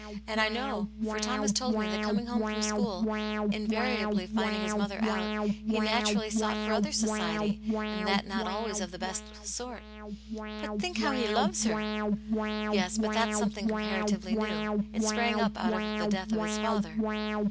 And I know, for Tom has told me, that coming home from school, and invariably finding his mother out, he naturally sought for other society, and that not always of the best sort." " But think how he loves her !" "Yes; but that's something comparatively new. It sprang up out of the death of his father."